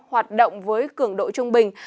hoạt động với cường độ trung bình